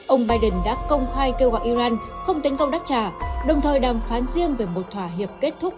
ông biden đã công khai kêu gọi iran không tấn công đáp trả đồng thời đàm phán riêng về một thỏa hiệp kết thúc